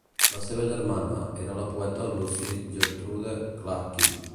La seva germana era la poeta Lucy Gertrude Clarkin.